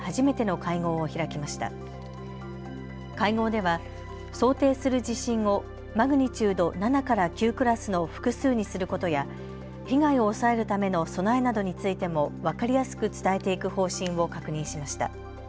会合では想定する地震をマグニチュード７から９クラスの複数にすることや被害を抑えるための備えなどについても分かりやすく伝えていく方針を確認しました。